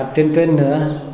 truyền truyền nữa